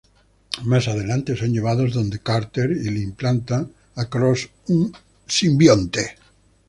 Más adelante son llevados donde Carter y le implantan a Cross un simbionte.